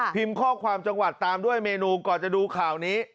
ข้อความจังหวัดตามด้วยเมนูก่อนจะดูข่าวนี้